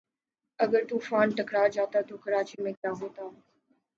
اگر طوفان ٹکرا جاتا تو کراچی میں کیا ہوتا